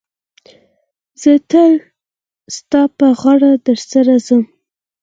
زه تل ستا پر غاړه در سره ځم.